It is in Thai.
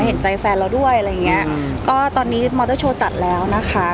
เห็นใจแฟนเราด้วยอะไรอย่างเงี้ยก็ตอนนี้มอเตอร์โชว์จัดแล้วนะคะ